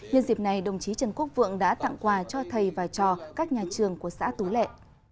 nhân dịp này đồng chí trần quốc vượng đã tặng quà cho thầy và trò các nhà trường của xã tú lệ